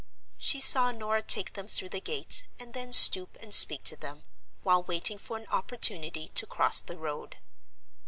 She saw Norah take them through the gate, and then stoop and speak to them, while waiting for an opportunity to cross the road.